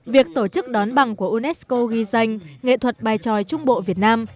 việc tổ chức đón bằng của unesco ghi danh nghệ thuật bài tròi trung bộ việt nam